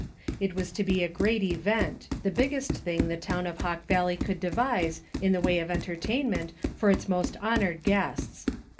It was to be a great event, the biggest thing the town of Hawk Valley could devise in the way of en tertainment for its most honored guests.